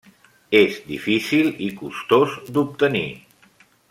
És difícil i costós d'obtenir.